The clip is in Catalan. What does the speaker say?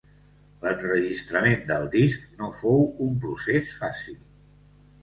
L'enregistrament del disc no fou un procés fàcil.